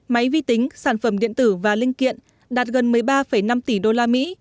máy vi tính sản phẩm điện tử và linh kiện đạt gần một mươi ba năm tỷ usd